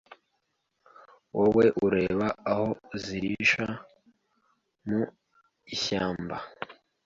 Wowe ureba aho zirisha mu ishyamba